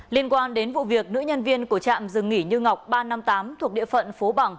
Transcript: liên quan đến vụ việc nữ nhân viên của trạm rừng nghỉ như ngọc ba trăm năm mươi tám thuộc địa phận phố bằng